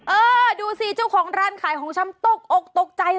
เออดูสิเจ้าของร้านขายของชำตกอกตกใจ